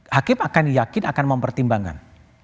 hakim akan yakin akan mempertimbangkan